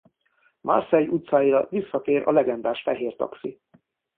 Marseille utcáira visszatér a legendás fehér taxi.